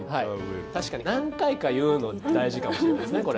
確かに何回か言うの大事かもしれないですねこれね。